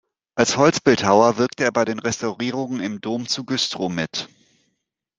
Als Holzbildhauer wirkte er bei den Restaurierungen im Dom zu Güstrow mit.